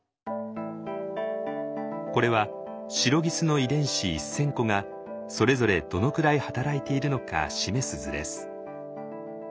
これはシロギスの遺伝子１，０００個がそれぞれどのくらい働いているのか示す図です。